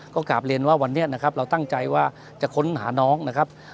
ก็กาบเลนว่าวันนี้เราตั้งใจว่าจะค้นหาน้องนะครับ